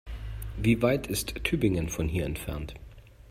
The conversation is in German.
Wie weit ist Tübingen von hier entfernt?